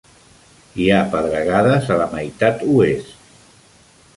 Hi ha pedregades a la meitat oest.